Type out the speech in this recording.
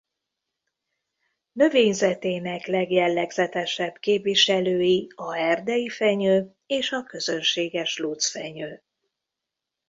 Növényzetének legjellegzetesebb képviselői a erdeifenyő és a közönséges lucfenyő.